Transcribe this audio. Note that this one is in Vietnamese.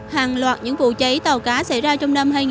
hàng loạt những vụ cháy tàu cá xảy ra trong năm hai nghìn hai mươi